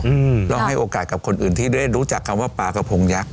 อืมแล้วให้โอกาสกับคนอื่นที่ได้รู้จักคำว่าปลากระพงยักษ